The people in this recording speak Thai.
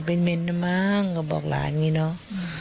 เป็นเมนนะมั้งก็บอกหลานอย่างนี้เนอะ